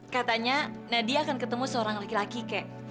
katanya nadia akan ketemu seorang laki laki kek